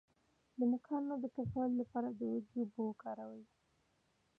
د نوکانو د کلکوالي لپاره د هوږې اوبه وکاروئ